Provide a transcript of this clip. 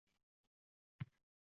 Nima ham deyishardi